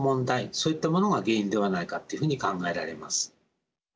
そういったものが原因ではないかと考えられます。